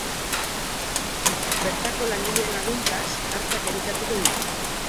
Bertako langileen laguntzaz hartzak elikatuko ditu.